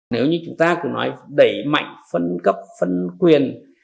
nếu như chúng ta cũng nói đẩy mạnh phân cấp phân quyền